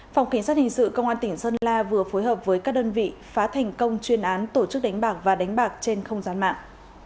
phòng cảnh sát hình sự công an tỉnh sơn la vừa phối hợp với các đơn vị phá thành công chuyên án tổ chức đánh bạc và đánh bạc trên không gian mạng